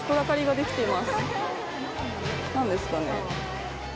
何ですかね。